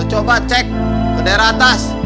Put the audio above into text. coba cek ke daerah atas